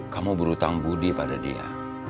kamu berhutang budi pada dia